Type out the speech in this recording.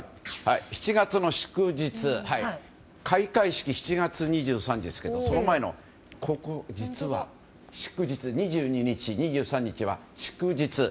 ７月の祝日、開会式７月２３日ですけどその前の２２日２３日は祝日。